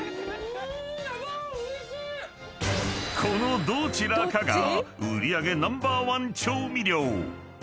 ［このどちらかが売り上げナンバーワン調味料］